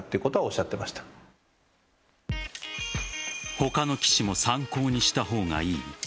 他の棋士も参考にしたほうがいい。